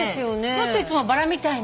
もっといつもバラみたいなね